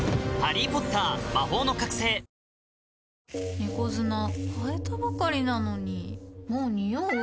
猫砂替えたばかりなのにもうニオう？